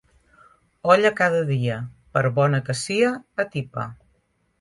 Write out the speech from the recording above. Olla cada dia, per bona que sia, atipa.